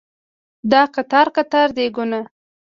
دا قطار قطار دیګونه